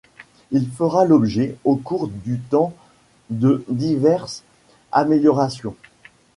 Il fera l'objet, au cours du temps de diverses améliorations.